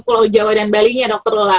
pulau jawa dan bali nya dr lola